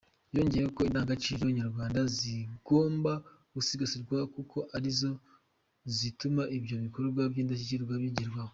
Yongeyeho ko indangagaciro nyarwanda zigomba gusigasirwa kuko arizo zituma ibyo bikorwa by’indashyikirwa bigerwaho.